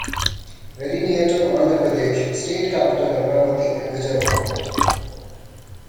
Very near to Andhra Pradesh state capital Amaravathi, and vijayawada.